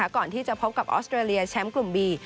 ก่อนที่จะพบกับออสเตรเลียแชมป์กลุ่มบี